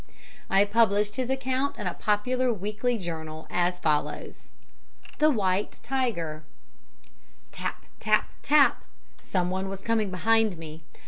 D. I published his account in a popular weekly journal, as follows: The White Tiger "Tap! tap! tap. Someone was coming behind me.